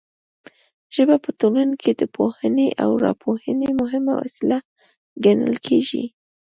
ژبه په ټولنه کې د پوهونې او راپوهونې مهمه وسیله ګڼل کیږي.